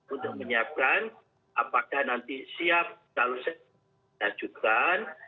untuk menyiapkan apakah nanti siap harus kita lanjutkan